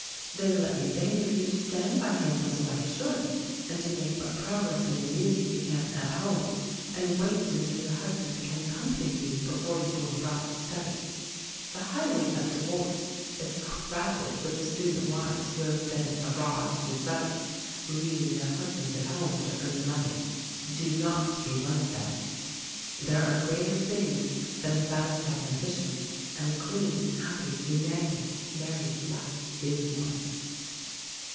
Then let me beg of you to stand by him, as a wife should, and to make what progress in your music you can at home, and wait until your husband can accompany you before you go abroad to study. The highway of divorce is crowded with the student wives who have been "abroad to study," leaving their husbands at home to earn the money. Do not be one of them. There are greater things than a satisfied ambition, and a clean, happy, united married life is one.